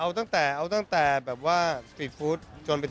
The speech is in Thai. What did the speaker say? ก็กินได้หมดเอาตั้งแต่สตรีทฟู้ตไปถึงชาวาง